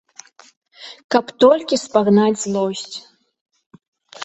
Каб толькі спагнаць злосць.